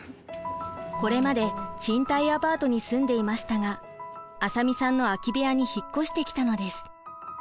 これまで賃貸アパートに住んでいましたが浅見さんの空き部屋に引っ越してきたのです。